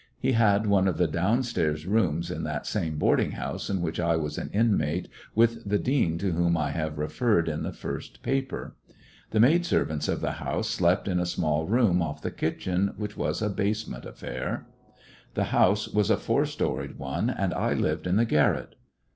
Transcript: He had one of the down stairs rooms in that same boarding house in which I was an inmate with the dean to whom I have re ferred in the first paper. The maid servants of the house slept in a small room off the kitchen, which was a basement affair. The house was a four storied one, and I lived in the garret.